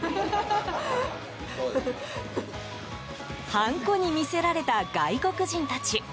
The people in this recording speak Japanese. ハンコに魅せられた外国人たち。